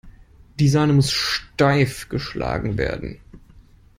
Die Sahne muss steif geschlagen werden.